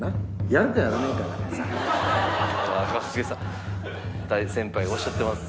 一茂さん大先輩がおっしゃってます。